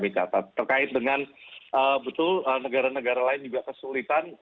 terkait dengan betul negara negara lain juga kesulitan